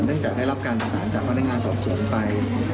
เนื่องจากได้รับการผสานจากพนักงานปรับสวนไป